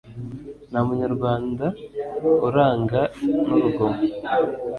nta munyarwand uranga n' urugomo